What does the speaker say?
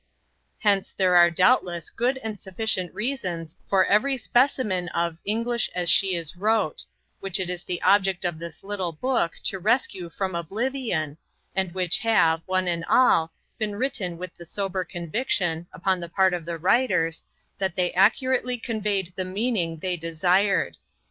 Hence there are doubtless good and sufficient reasons for every specimen of "English as she is wrote," which it is the object of this little book to rescue from oblivion, and which have, one and all, been written with the sober conviction, upon the part of the writers, that they accurately conveyed the meaning they desired.